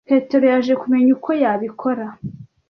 Petero yaje kumenya uko yabikora.